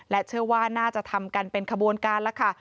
เชื่อว่าน่าจะทำกันเป็นขบวนการแล้วค่ะ